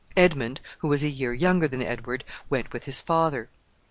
Edmund, who was a year younger than Edward, went with his father.